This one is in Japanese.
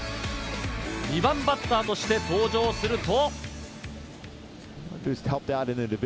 ２番バッターとして登場すると。